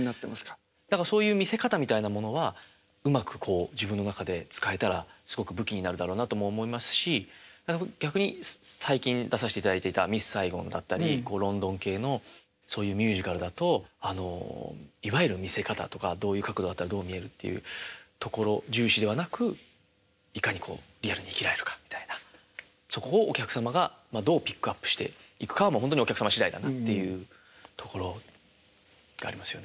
だからそういう見せ方みたいなものはうまくこう自分の中で使えたらすごく武器になるだろうなとも思いますし逆に最近出させていただいていた「ミスサイゴン」だったりロンドン系のそういうミュージカルだとあのいわゆる見せ方とかどういう角度だったらどう見えるっていうところ重視ではなくいかにこうリアルに生きられるかみたいなそこをお客様がどうピックアップしていくかはほんとにお客様次第だなっていうところがありますよね。